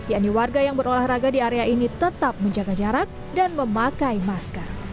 yakni warga yang berolahraga di area ini tetap menjaga jarak dan memakai masker